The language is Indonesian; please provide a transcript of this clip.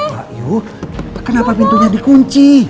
mbak yu kenapa pintunya di kunci